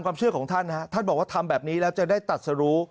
ความเชื่อของท่านฮะท่านบอกว่าทำแบบนี้แล้วจะได้ตัดสรุ